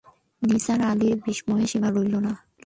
নিসার আলিরও বিস্ময়ের সীমা রইল না।